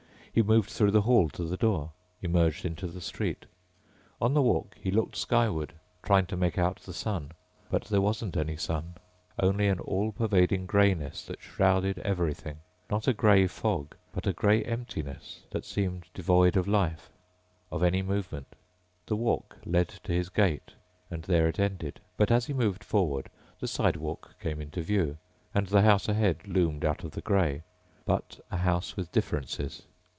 He moved through the hall to the door, emerged into the street. On the walk he looked skyward, trying to make out the sun. But there wasn't any sun ... only an all pervading grayness that shrouded everything ... not a gray fog, but a gray emptiness that seemed devoid of life, of any movement. The walk led to his gate and there it ended, but as he moved forward the sidewalk came into view and the house ahead loomed out of the gray, but a house with differences.